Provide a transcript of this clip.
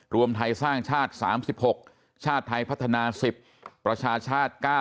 รวมไทยสร้างชาติ๓๖ชาติไทยพัฒนา๑๐ประชาชาติ๙